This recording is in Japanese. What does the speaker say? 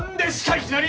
いきなり。